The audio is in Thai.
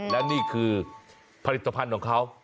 และนี่คือผลิตภัณฑ์ของเขา